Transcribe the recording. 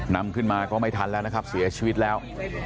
นำขึ้นมาก็ไม่ทันแล้วนะครับเสียชีวิตแล้ว